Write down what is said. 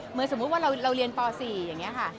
สมมุติว่าเราเรียนป๔อย่างนี้ค่ะ